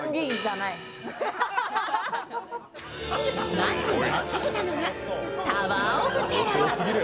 まずやって来たのがタワー・オブ・テラー。